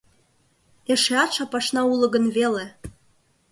Эшеат шапашна уло гын веле.